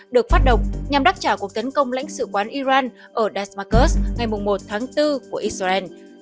được phát động nhằm đáp trả cuộc tấn công lãnh sự quán iran ở dasmacus ngày một tháng bốn của israel